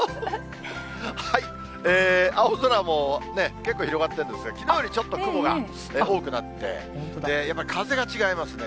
青空も、結構広がってるんですが、きのうよりちょっと雲が多くなって、やっぱり風が違いますね。